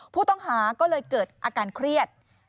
ผู้ต้องหาก็เลยเกิดอาการเครียด